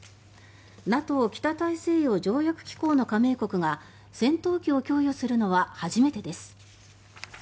ＮＡＴＯ・北大西洋条約機構の加盟国が戦闘機を供与するのは初めてです。